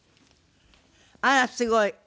あらすごい！